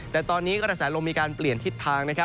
แต่ตอนนี้กระแสลมมีการเปลี่ยนทิศทาง